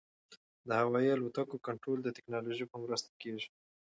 د هوايي الوتکو کنټرول د ټکنالوژۍ په مرسته کېږي.